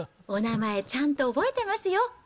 お名前、ちゃんと覚えてますよ。